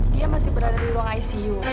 dia masih berada di ruang icu